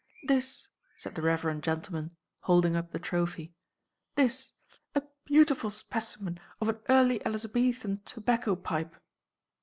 "This," said the reverend gentleman, holding up the trophy. "This. A beautiful specimen of an early Elizabethan tobacco pipe!"